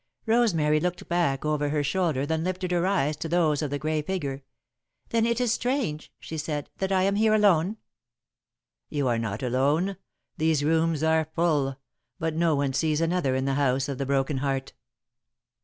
Rosemary looked back over her shoulder, then lifted her eyes to those of the grey figure. "Then it is strange," she said, "that I am here alone." "You are not alone. These rooms are full, but no one sees another in the House of the Broken Heart.